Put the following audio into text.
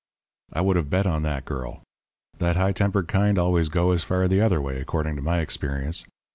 "I would have bet on that girl. That high tempered kind always go as far the other way, according to my experience.